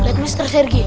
lihat mr sergi